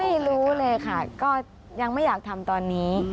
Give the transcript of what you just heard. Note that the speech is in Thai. ไม่รู้เลยค่ะก็ยังไม่อยากทำตอนนี้